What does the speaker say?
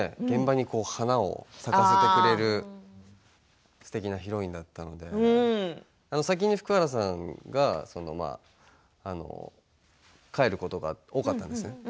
現場に花を咲かせてくれるすてきなヒロインだったので先にいる福原さんが帰ることが多かったですね。